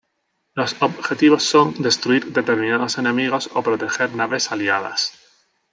Los objetivos son destruir determinados enemigos o proteger naves aliadas.